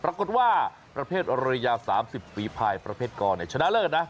ปรากฏว่าประเภทเรือยา๓๐ฝีภายประเภทกรชนะเลิศนะ